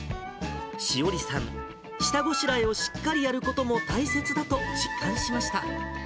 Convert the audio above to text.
詩織さん、下ごしらえをしっかりやることも大切だと実感しました。